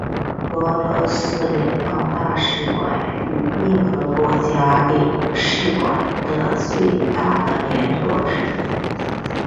俄罗斯联邦大使馆与任何国家的领事馆的最大的联络之一。